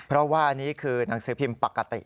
เพราะว่าอันนี้คือหนังสือพิมพ์ปกติ